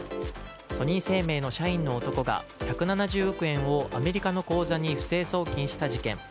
ソニー生命の社員の男が１７０億円をアメリカの口座に不正送金した事件。